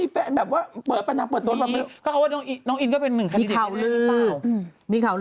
อืมอืมอืมอืมอืมอืมอืมอืมอืม